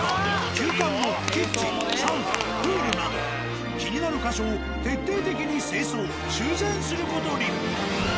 旧館のキッチンサウナプールなど気になる箇所を徹底的に清掃・修繕する事に。